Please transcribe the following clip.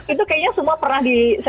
itu kayaknya semua pernah di